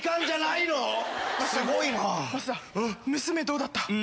娘どうだった？